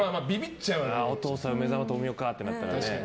お父さん梅沢富美男かってなって。